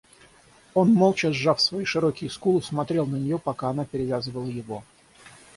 Он, молча сжав свои широкие скулы, смотрел на нее, пока она перевязывала его.